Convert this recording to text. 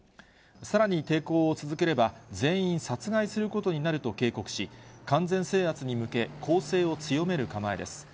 さらに抵抗を続ければ、全員殺害することになると警告し、完全制圧に向け、攻勢を強める構えです。